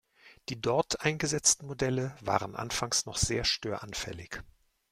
Die dort eingesetzten Modelle waren anfangs noch sehr störanfällig.